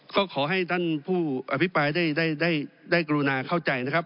ก็ขอให้ท่านผู้อภิปรายได้ได้กรุณาเข้าใจนะครับ